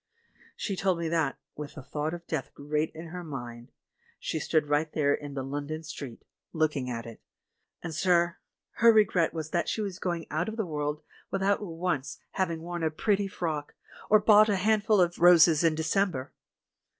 She told me that — with the thought of death great in her mind — she stood right there in the London street, looking at it ; and, sir, her regret was that she was going out of the world without once hav ing worn a pretty frock, or bought a handful of roses in December!